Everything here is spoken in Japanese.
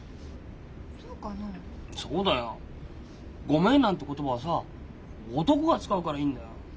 「ごめん」なんて言葉はさ男が使うからいいんだよ。